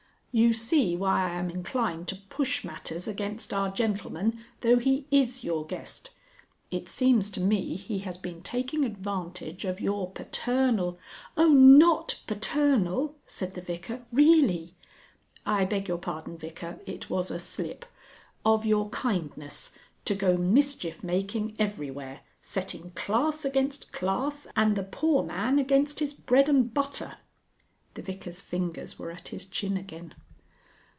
"You see why I am inclined to push matters against our gentleman though he is your guest. It seems to me he has been taking advantage of your paternal " "Oh, not paternal!" said the Vicar. "Really " "(I beg your pardon, Vicar it was a slip.) Of your kindness, to go mischief making everywhere, setting class against class, and the poor man against his bread and butter." The Vicar's fingers were at his chin again.